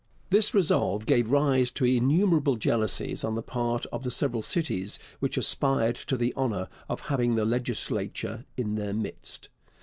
This resolve gave rise to innumerable jealousies on the part of the several cities which aspired to the honour of having the legislature in their midst.